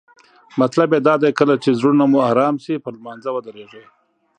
مطلب یې دا دی کله چې زړونه مو آرام شي پر لمانځه ودریږئ.